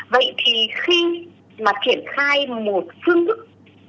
vậy thì khi mà triển khai một phương ức